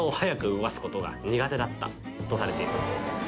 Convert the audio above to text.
だったとされています。